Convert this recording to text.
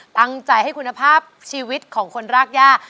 ตั้งใจให้คุณภาพชีวิตของคนรากย่า